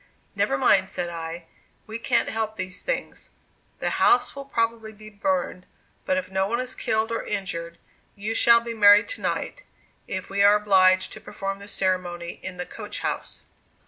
"Never mind!" said I; "we can't help these things; the house will probably be burned; but if no one is killed or injured, you shall be married to night, if we are obliged to perform the ceremony in the coach house."